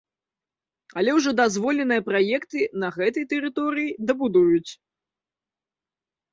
Але ўжо дазволеныя праекты на гэтай тэрыторыі дабудуюць.